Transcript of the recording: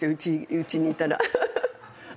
うちにいたら。